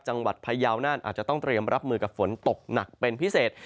พยาวนานอาจจะต้องเตรียมรับมือกับฝนตกหนักเป็นพิเศษ